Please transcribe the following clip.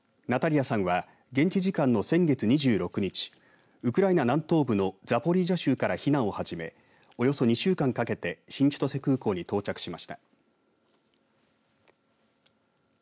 ナタリアさんは現地時間の先月２６日、ウクライナ南東部のザポリージャ州から避難を始めおよそ２週間かけて新千歳空港に到着しました。